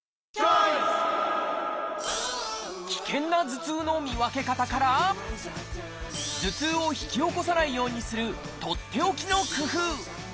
危険な頭痛の見分け方から頭痛を引き起こさないようにするとっておきの工夫。